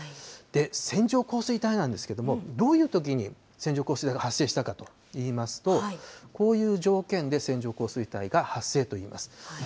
線状降水帯なんですけれども、どういうときに線状降水帯が発生したかといいますと、こういう条件で、線状降水帯が発生といいます。